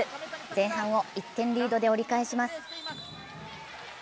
前半を１点リードで折り返します。